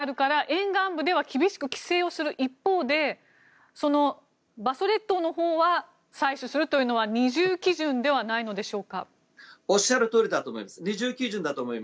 一方で環境破壊の恐れがあるから沿岸部では厳しく規制する一方で馬祖列島のほうは採取するというのは二重基準ではないのでしょうか。